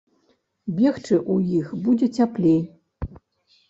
Бегчы ў іх будзе цяплей.